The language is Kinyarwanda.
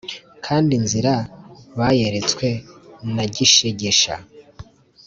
kandi inzira bayeretswe na gishegesha).